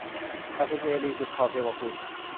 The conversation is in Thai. อัศเจรีย์ - สุภาว์ เทวกุล